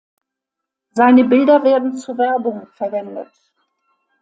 Seine Bilder werden zur Werbung verwendet.